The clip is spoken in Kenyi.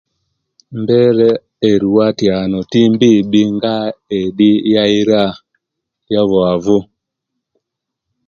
Mbeera eriwo atyaanu timbiibi ngaa eddi ayeira, oyobuwavu.